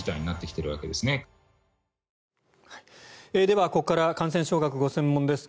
では、ここから感染症学がご専門です